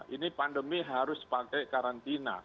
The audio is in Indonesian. ini pandemi harus pakai karantina